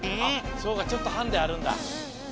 そうかちょっとハンデあるんだ。